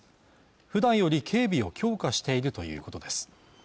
ふだんより警備を強化しているということです